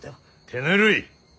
手ぬるい。